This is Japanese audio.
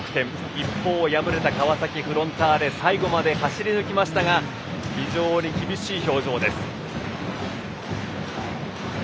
一方、敗れた川崎フロンターレ最後まで走り抜きましたが非常に厳しい表情です。